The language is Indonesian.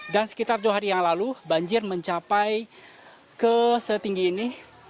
dan sekitar dua hari yang lalu banjir mencapai ke setinggi ini